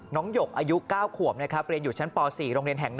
หยกอายุ๙ขวบนะครับเรียนอยู่ชั้นป๔โรงเรียนแห่ง๑